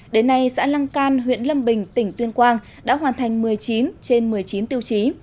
đến nay xã lăng can huyện lâm bình tỉnh tuyên quang đã hoàn thành một mươi chín trên một mươi chín tiêu chí